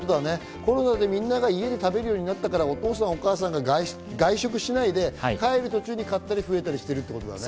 コロナでみんなが家で食べるようになったから、お父さん、お母さんが外食しないで帰る途中で買ってる人が増えてるってことだよね。